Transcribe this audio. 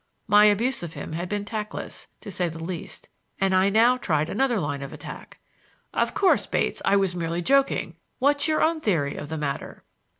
My abuse of him had been tactless, to say the least, and I now tried another line of attack. "Of course, Bates, I was merely joking. What's your own theory of the matter?"